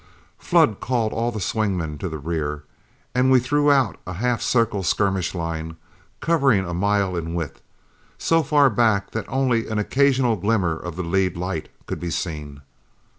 Flood called all the swing men to the rear, and we threw out a half circle skirmish line covering a mile in width, so far back that only an occasional glimmer of the lead light could be seen.